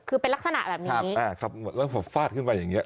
คือเป็นลักษณะแบบนี้อ่าครับแล้วผมฟาดขึ้นไปอย่างเงี้